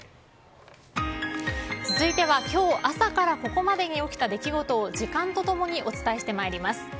続いては今日から朝までに起きた出来事を時間と共にお伝えしてまいります。